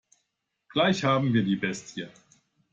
Gleich haben wir die Bestie.